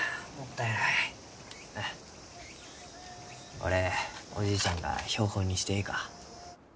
これおじいちゃんが標本にしてえいか？